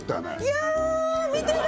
いやあ見てる！